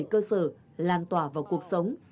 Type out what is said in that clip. đưa về cơ sở lan tỏa vào cuộc sống